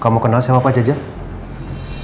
kamu kenal sama pak jajang